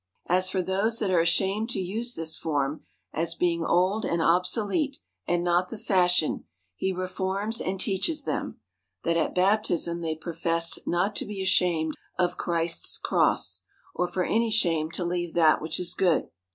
As for those that are ashamed to use this form, as being old and obsolete, and not the fashion, he reforms and teaches them, that at baptism they professed not to be ashamed of Christ's cross, or for any shame to leave that which is good.